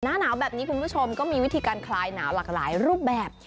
หน้าหนาวแบบนี้คุณผู้ชมก็มีวิธีการคลายหนาวหลากหลายรูปแบบ